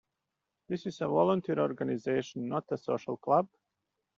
This is a volunteer organization, not a social club.